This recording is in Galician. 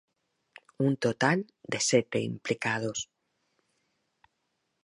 Un total de sete implicados.